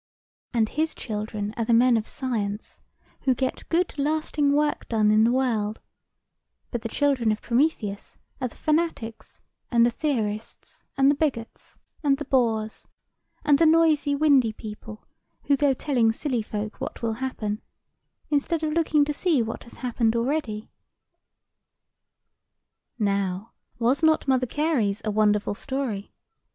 "And his children are the men of science, who get good lasting work done in the world; but the children of Prometheus are the fanatics, and the theorists, and the bigots, and the bores, and the noisy windy people, who go telling silly folk what will happen, instead of looking to see what has happened already." Now, was not Mother Carey's a wonderful story?